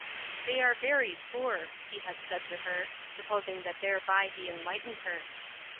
"They are very poor," he had said to her, supposing that thereby he enlightened her.